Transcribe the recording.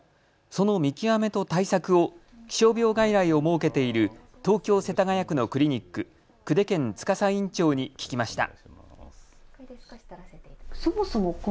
その見極めと対策を気象病外来を設けている東京世田谷区のクリニック、久手堅司院長に聞きました。